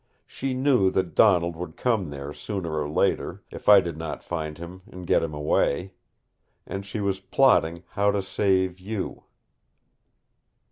She knew that Donald would come there sooner or later, if I did not find him and get him away. And she was plotting how to save you.